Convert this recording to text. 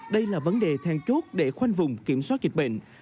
đây là vấn đề then chốt để khoanh vùng kiểm soát dịch bệnh